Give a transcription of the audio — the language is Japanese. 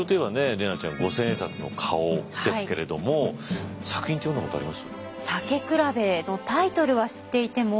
怜奈ちゃん五千円札の顔ですけれども作品って読んだことあります？